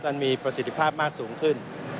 นั้นมีประสิทธิภาพมากสูงขึ้น